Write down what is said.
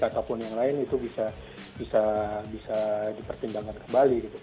ataupun yang lain itu bisa dipertimbangkan kembali